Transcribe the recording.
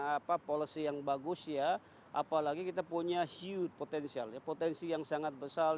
apa policy yang bagus ya apalagi kita punya siut potensialnya potensi yang sangat besar